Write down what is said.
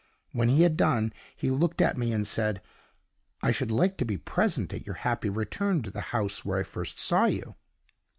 When he had done, he looked at me, and said, 'I should like to be present at your happy return to the house where I first saw you.